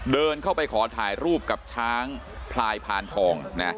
เดินเข้าไปขอถ่ายรูปกับช้างพลายพานทองนะ